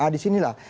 di sini lah